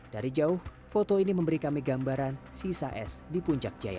dari jauh foto ini memberi kami gambaran sisa es di puncak jaya